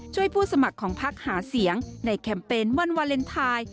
ผู้สมัครของพักหาเสียงในแคมเปญวันวาเลนไทย